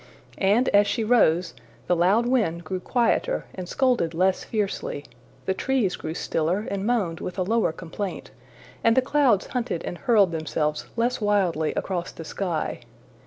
And as she rose, the loud wind grew quieter and scolded less fiercely, the trees grew stiller and moaned with a lower complaint, and the clouds hunted and hurled themselves less wildly across the sky.